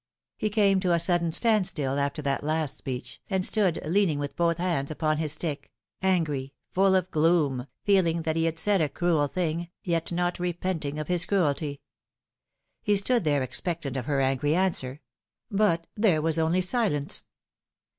He came to a sudden standstill after that last speech, and stood leaning with both hands upon his stick, angry, full of gloom, feeling that he had said a cruel thing, yet not repenting of his cruelty. He stood there expectant of her angry answer ; but there was only silence.